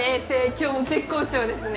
今日も絶好調ですね。